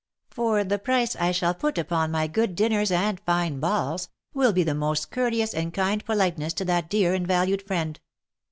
For the price I shall put upon my good dinners and fine balls, will be the most courteous and kind politeness^ to that dear and valued friend.